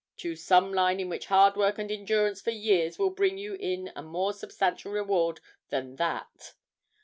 Choose some line in which hard work and endurance for years will bring you in a more substantial reward than that.'